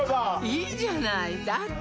いいじゃないだって